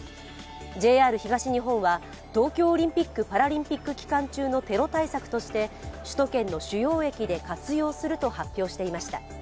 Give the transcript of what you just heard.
ＪＲ東日本は東京オリンピック・パラリンピック期間中のテロ対策として首都圏の主要駅で活用すると発表していました。